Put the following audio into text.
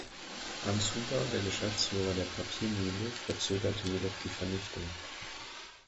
Hans Huber, der Geschäftsführer der Papiermühle, verzögerte jedoch die Vernichtung.